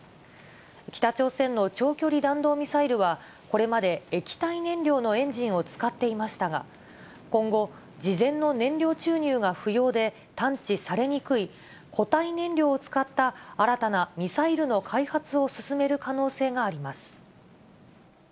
北朝鮮の長距離弾道ミサイルは、これまで液体燃料のエンジンを使っていましたが、今後、事前の燃料注入が不要で、探知されにくい固体燃料を使った新たなミサイルの開発を進める可能性があります。